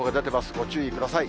ご注意ください。